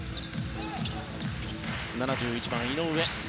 ７１番、井上。